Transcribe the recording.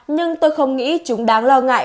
nhưng tôi không nghĩ chúng đáng lo ngại